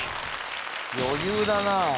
余裕だなあ